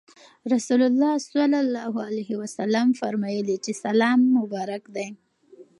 رسول الله صلی الله عليه وسلم فرمایلي چې سلام مبارک دی.